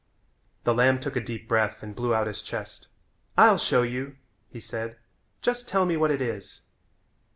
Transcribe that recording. The lamb took a deep breath and blew out his chest. "I'll show you," he said. "Just tell me what it is."